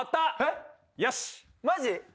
マジ？